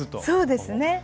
そうですね。